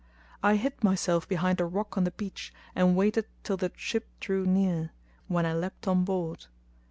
I hid myself behind a rock on the beach and waited till the ship drew near, when I leaped on board.